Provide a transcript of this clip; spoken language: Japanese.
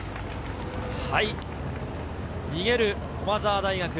逃げる駒澤大学。